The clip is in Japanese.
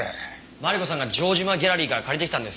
マリコさんが城島ギャラリーから借りてきたんですよ。